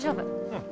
うん。